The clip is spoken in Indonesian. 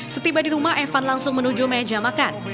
setiba di rumah evan langsung menuju meja makan